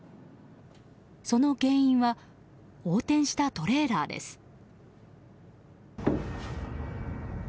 その原因は横転したトレーラーです。